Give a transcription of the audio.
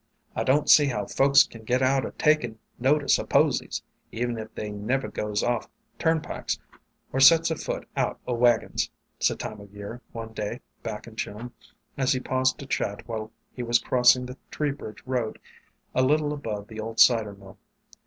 "I don't see how folks can get out o' takin' notice o' posies, even if they never goes off turn pikes, or sets a foot out o' wagons," said Time o' Year one day back in June, as he paused to chat while he was crossing the Tree bridge road a lit tle above the old cider mill.